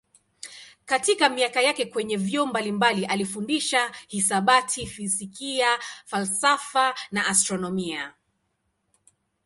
Katika miaka yake kwenye vyuo mbalimbali alifundisha hisabati, fizikia, falsafa na astronomia.